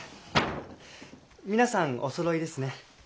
皆さんおそろいですね。